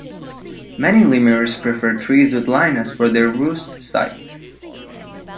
Many lemurs prefer trees with lianas for their roost sites.